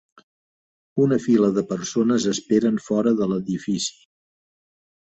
Una fila de persones esperen fora de l'edifici.